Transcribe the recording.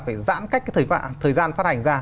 phải giãn cách cái thời gian phát hành ra